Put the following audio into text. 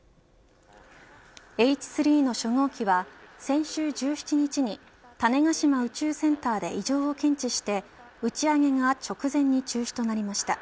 Ｈ３の初号機は先週１７日に種子島宇宙センターで異常を検知して打ち上げが直前に中止となりました。